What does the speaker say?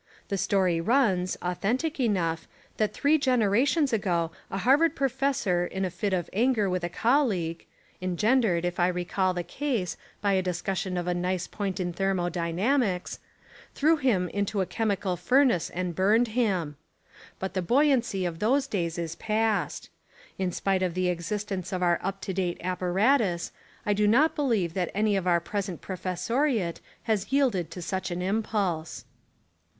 The story runs, authentic enough, that three generations ago a Harvard professor in a fit of anger with a colleague (engendered, if I recall the case, by the discussion of a nice point in thermo dynamics) threw him into a chemical furnace and burned him. But the buoyancy of those days is past. In spite of the existence of our up to date apparatus, I do not believe that any of our present professoriate has yield ed to such an impulse.